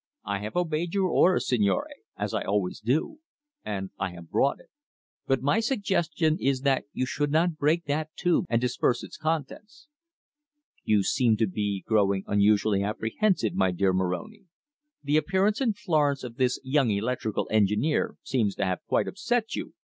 I have obeyed your orders, signore, as I always do, and I have brought it. But my suggestion is that you should not break that tube and disperse its contents." "You seem to be growing unusually apprehensive, my dear Moroni. The appearance in Florence of this young electrical engineer seems to have quite upset you!"